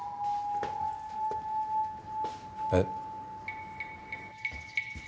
えっ？